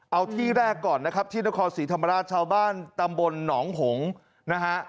เอาที่แรกก่อนนะครับที่นครศรีธรรมราชชาวบ้านตำบลหนองหงษ์นะฮะ